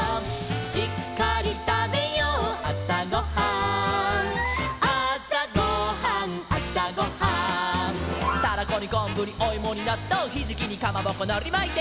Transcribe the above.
「しっかりたべようあさごはん」「あさごはんあさごはん」「タラコにこんぶにおいもになっとう」「ひじきにかまぼこのりまいて」